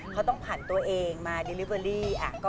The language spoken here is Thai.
เขาต้องผ่านตัวเองมาดิลิเวอรี่